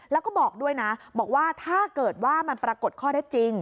แล้วก็บอกด้วยถ้าเกิดว่ามันปรากฏข้อแร็ดจริง